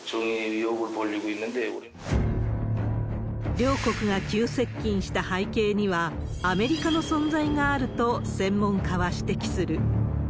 両国が急接近した背景には、アメリカの存在があると、専門家は指摘する。